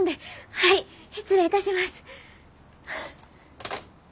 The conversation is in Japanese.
はい失礼いたします。